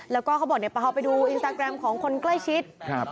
แล้วก็เขาบอกเนี่ยพอไปดูอินสตาแกรมของคนใกล้ชิดครับ